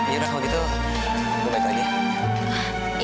ya udah kalau gitu gue balik lagi